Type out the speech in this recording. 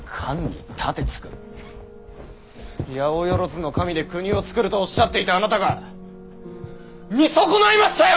八百万の神で国を作るとおっしゃっていたあなたが見損ないましたよ！